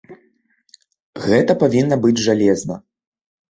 Гэта павінна быць жалезна.